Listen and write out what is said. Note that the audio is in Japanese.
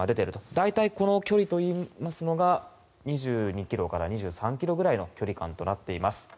大体この距離といいますのが２２ｋｍから２３ｋｍぐらいの距離感となっています。